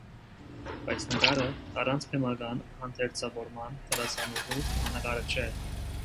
Բայց նկարը առանց բեմական հանդերձավորման դերասանուհու դիմանկարը չէ։